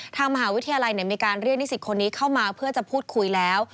ทางมหาวิทยาลัยมีการเรียกนิสิตคนนี้เข้ามาเพื่อจะพูดคุยแล้ว